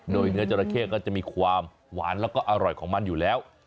โดยเนื้อจราเข้ก็จะมีความหวานแล้วก็อร่อยของมันอยู่แล้ว